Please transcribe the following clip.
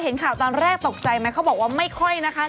เห็นข่าวตอนแรกตกใจไหมเขาบอกว่าไม่ค่อยนะคะ